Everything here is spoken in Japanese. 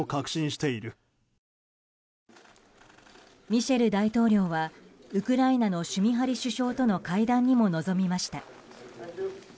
ミシェル大統領はウクライナのシュミハリ首相との会談にも臨みました。